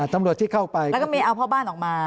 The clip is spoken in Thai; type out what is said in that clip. ตำรวจที่เข้าไปแล้วก็ไม่เอาพ่อบ้านออกมา